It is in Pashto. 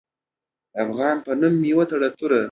د افغان په نوم مې وتړه توره